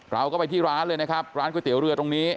เราก็ไปที่ร้านเลยนะครับร้านก๋วยเตี๋ยวเรือตรงนี้